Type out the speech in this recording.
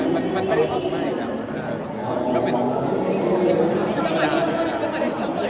เพราะฉันก็มาที่รีชีวี